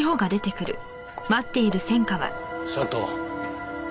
佐藤。